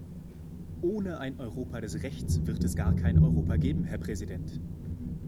Ohne ein Europa des Rechts wird es gar kein Europa geben, Herr Präsident.